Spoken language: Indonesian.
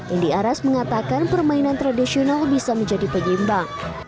indi aras mengatakan permainan tradisional bisa menjadi penyeimbang